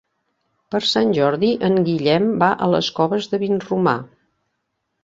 Per Sant Jordi en Guillem va a les Coves de Vinromà.